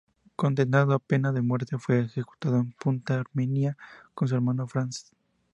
Condenado a pena de muerte, fue ejecutado en Punta Herminia con su hermano France.